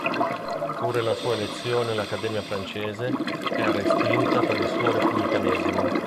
Pure la sua elezione all'Accademia francese è respinta per il suo repubblicanesimo.